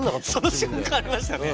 その瞬間ありましたね。